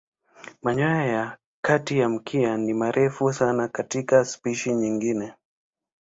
Manyoya ya kati ya mkia ni marefu sana katika spishi nyingine.